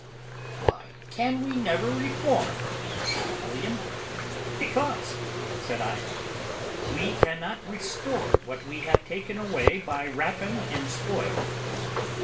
"Why can we never reform?" says William. "Because," said I, "we cannot restore what we have taken away by rapine and spoil."